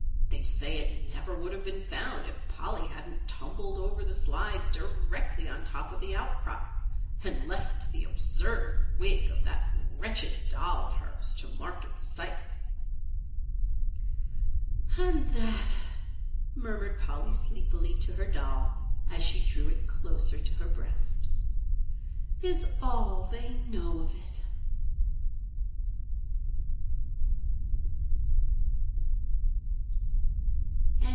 And they say it never would have been found if Polly hadn't tumbled over the slide directly on top of the outcrop, and left the absurd wig of that wretched doll of hers to mark its site." "And that," murmured Polly sleepily to her doll as she drew it closer to her breast, "is all that they know of it."